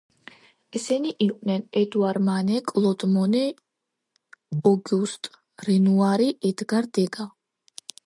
ესენი იყვნენ: ედუარ მანე, კლოდ მონე, ოგიუსტ რენუარი, ედგარ დეგა.